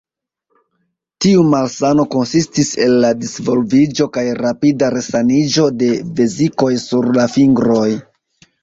Tiu malsano konsistis el la disvolviĝo kaj rapida resaniĝo de vezikoj sur la fingroj.